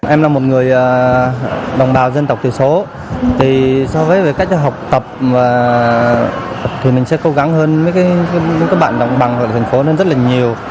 em là một người đồng bào dân tộc thiểu số thì so với cách học tập thì mình sẽ cố gắng hơn với các bạn đồng bằng ở thành phố hơn rất là nhiều